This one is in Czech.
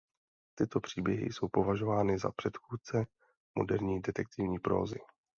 Tyto příběhy jsou považovány za předchůdce moderní detektivní prózy.